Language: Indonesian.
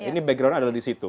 ini backgroundnya adalah di situ